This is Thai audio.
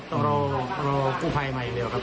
ต้องรอผู้ภัยใหม่เร็วครับ